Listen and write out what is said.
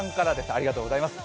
ありがとうございます。